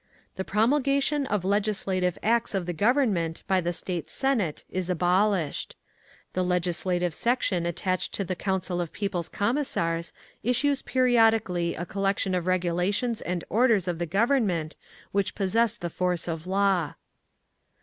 The promulgation of legislative acts of the government by the State Senate is abolished. The Legislative Section attached to the Council of People's Commissars issues periodically a collection of regulations and orders of the government which possess the force of law.